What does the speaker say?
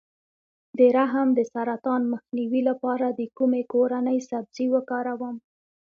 د رحم د سرطان مخنیوي لپاره د کومې کورنۍ سبزي وکاروم؟